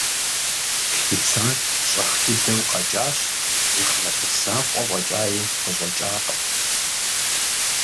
Хисар щӀэх дыдэу къэкӀащ, зы хъэрбыз закъуэ фӀэкӀаи къыщӀэкӀакъым.